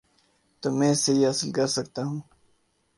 تو میں اس سے یہ حاصل کر سکتا ہوں۔